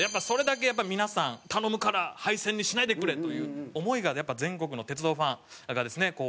それだけやっぱ皆さん頼むから廃線にしないでくれという思いが全国の鉄道ファンがですね